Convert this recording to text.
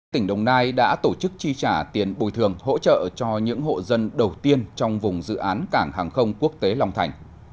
tỉnh đồng nai đã tổ chức chi trả tiền bồi thường hỗ trợ cho những hộ dân đầu tiên trong vùng dự án cảng hàng không quốc tế long thành